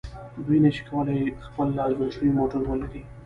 دوی نشي کولای د خپل لاس جوړ شوی موټر ولري.